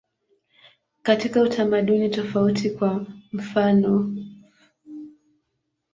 Katika utamaduni tofauti, kwa mfanof.